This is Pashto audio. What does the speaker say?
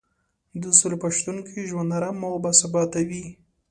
د سولې په شتون کې ژوند ارام او باثباته وي.